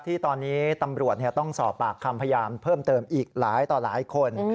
ที่ตอนนี้ตำรวจต้องสอบปากคำพยานเพิ่มเติมอีกหลายต่อหลายคน